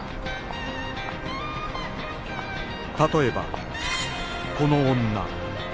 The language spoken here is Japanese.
例えばこの女